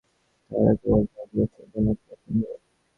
তাহারা কেবল তাঁহাকে বসিবার জন্য একটি আসন দিল।